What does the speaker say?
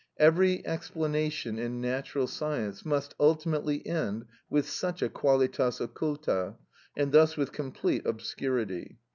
Every explanation in natural science must ultimately end with such a qualitas occulta, and thus with complete obscurity.